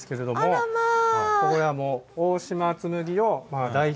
あらまあ。